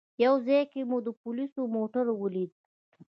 یو ځای کې مې د پولیسو موټر ولید.